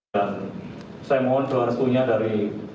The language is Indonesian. saya mohon doa restunya dari